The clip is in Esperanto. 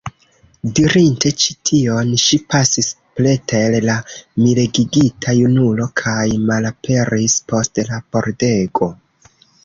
Dirinte ĉi tion, ŝi pasis preter la miregigita junulo kaj malaperis post la pordego.